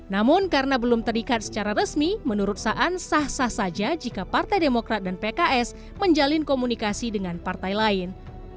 namun karena belum terikat secara resmi menurut saan sah sah saja jika partai demokrat dan pks menjalin komunikasi dengan partai lain